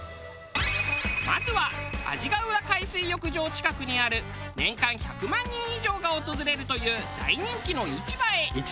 まずは阿字ヶ浦海水浴場近くにある年間１００万人以上が訪れるという大人気の市場へ。